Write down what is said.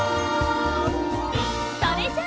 それじゃあ！